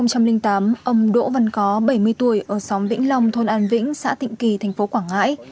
năm hai nghìn tám ông đỗ văn có bảy mươi tuổi ở xóm vĩnh long thôn an vĩnh xã tịnh kỳ thành phố quảng ngãi